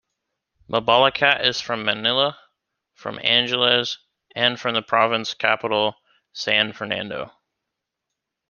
Mabalacat is from Manila, from Angeles, and from the provincial capital, San Fernando.